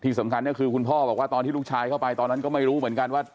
สำคัญก็คือคุณพ่อบอกว่าตอนที่ลูกชายเข้าไปตอนนั้นก็ไม่รู้เหมือนกันว่า